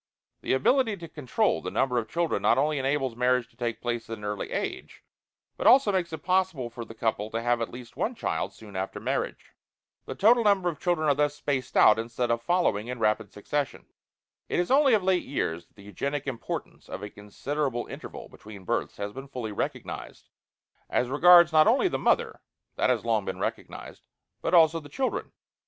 The ability to control the number of children not only enables marriage to take place at an early age, but also makes it possible for the couple to have at least one child soon after marriage. The total number of children are thus spaced out, instead of following in rapid succession. It is only of late years that the eugenic importance of a considerable interval between births has been fully recognized, as regards not only the mother this has long been recognized but also the children.